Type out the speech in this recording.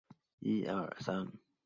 杨光斌明确反对所谓历史终结论。